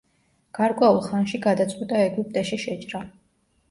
გარკვეულ ხანში გადაწყვიტა ეგვიპტეში შეჭრა.